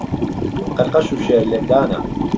قەرقەش و شێر لێکدانه